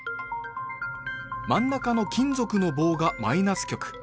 真ん中の金属の棒がマイナス極。